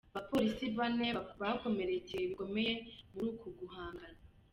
Abapolisi bane bakomerekeye bikomeye muri uku guhangana.